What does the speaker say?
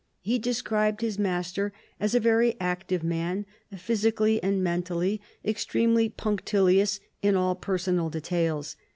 He described his master as a very active man, physically and mentally, extremely punctilious in all personal details.